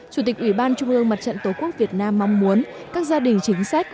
chủ tịch ủy ban trung ương mặt trận tổ quốc việt nam mong muốn các gia đình chính sách